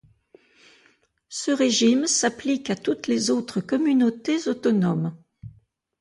Ce régime s'applique à toutes les autres communautés autonomes.